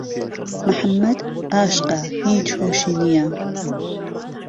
محەممەد ئاشقه هیچ هۆشی نییه